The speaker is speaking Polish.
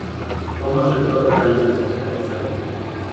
Pomoże to w realizacji czterech celów